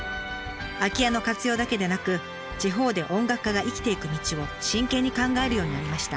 空き家の活用だけでなく地方で音楽家が生きていく道を真剣に考えるようになりました。